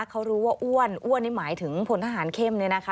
เขารู้ว่าอ้วนอ้วนนี่หมายถึงพลทหารเข้มเนี่ยนะคะ